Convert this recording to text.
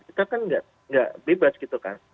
kita kan nggak bebas gitu kan